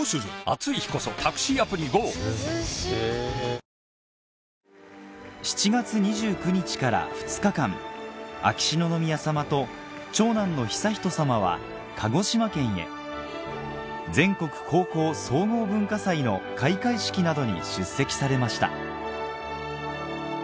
今年記者会見で陛下はこう話されました７月２９日から２日間秋篠宮さまと長男の悠仁さまは鹿児島県へ全国高校総合文化祭の開会式などに出席されました